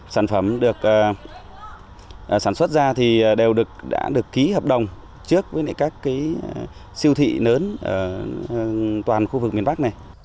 sản xuất ra đều được ký hợp đồng trước với các siêu thị lớn toàn khu vực miền bắc